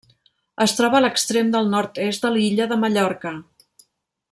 Es troba a l'extrem del nord-est de l'illa de Mallorca.